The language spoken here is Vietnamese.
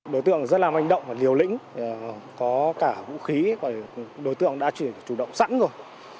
đối tượng rất là manh động và liều lĩnh có cả vũ khí đối tượng đã chuyển chủ động sẵn rồi